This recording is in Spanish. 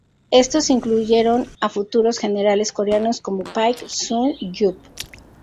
Estos incluyeron a futuros generales coreanos como Paik Sun-yup.